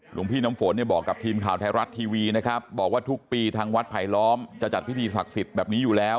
หลวงพี่น้ำฝนเนี่ยบอกกับทีมข่าวไทยรัฐทีวีนะครับบอกว่าทุกปีทางวัดไผลล้อมจะจัดพิธีศักดิ์สิทธิ์แบบนี้อยู่แล้ว